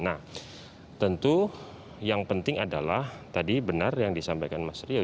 nah tentu yang penting adalah tadi benar yang disampaikan mas rio